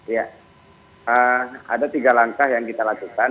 ya ada tiga langkah yang kita lakukan